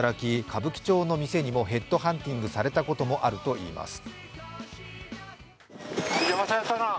歌舞伎町の店にもヘッドハンティングされたこともあるといいます。